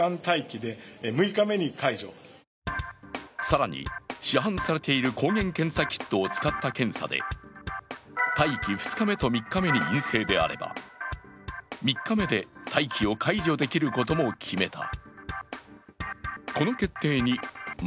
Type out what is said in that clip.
更に、市販されている抗原検査キットを使った検査で待機２日目と３日目に陰性であれば３日目で待機を解除できることも決めた。